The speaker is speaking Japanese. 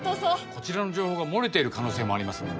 こちらの情報が漏れている可能性もありますね。